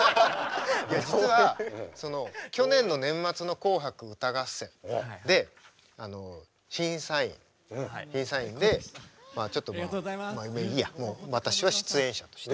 実は去年の年末の「紅白歌合戦」で審査員でちょっとまあまあいいや私は出演者として。